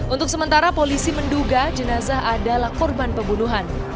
untuk sementara polisi menduga jenazah adalah korban pembunuhan